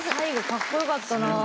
かっこよかった。